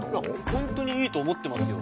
ホントにいいと思ってますよ。